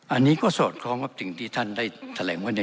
อันนี้ก็สอดคล้องกับสิ่งที่ท่านได้แถลงเมื่อนี้